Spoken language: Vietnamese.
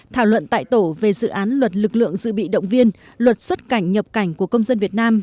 thảo luận tại tổ về dự án luật lực lượng dự bị động viên luật xuất cảnh nhập cảnh của công dân việt nam